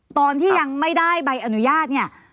ตอนที่ยังไม่ได้ใบอนุญาตเนี่ย